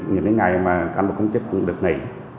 những cái ngày mà cảnh bộ công chức cũng được nghỉ